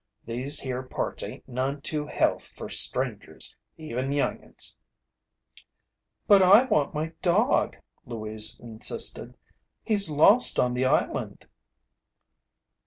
These here parts ain't none too health fer strangers, even young 'uns." "But I want my dog," Louise insisted. "He's lost on the island."